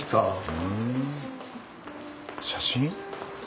うん写真？